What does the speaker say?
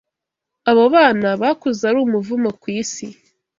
Abo bana bakuze ari umuvumo ku isi,